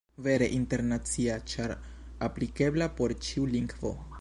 Vere internacia, ĉar aplikebla por ĉiu lingvo.